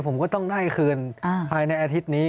ผมก็ต้องได้คืนภายในอาทิตย์นี้